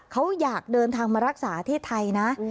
เขาอยากเดินทางมารักษาที่ไทยนะ